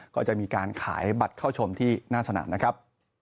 ก็จะมีการขายบัตรเข้าชมที่หน้าสนามนะครับ